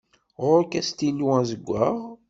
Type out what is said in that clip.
Ɣur-k astilu azeggaɣ?